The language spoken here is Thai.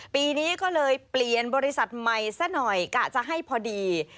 ปีนี้ก็เลยเปลี่ยนบริษัทใหม่ซะหน่อยกะจะให้พอดี